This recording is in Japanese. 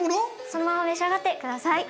そのまま召し上がって下さい。